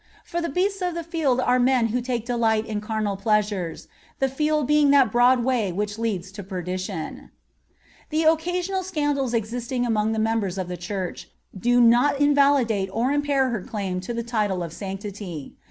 For the beasts of the field are men who take delight in carnal pleasures, the field being that broad way which leads to perdition."(51) The occasional scandals existing among members of the Church do not invalidate or impair her claim to the title of sanctity.